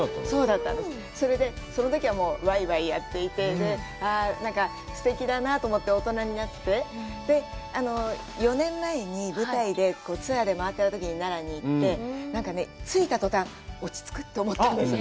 それで、そのときはわいわいやっていて、ああ、すてきだなと思って大人になって、４年前に舞台のツアーで回ったときに奈良に行って、なんかね、着いた途端、あっ、落ち着くと思ったんです。